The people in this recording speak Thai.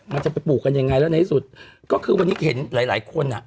มันจะไปปลูกกันยังไงแล้วในที่สุดก็คือวันนี้เห็นหลายหลายคนอ่ะ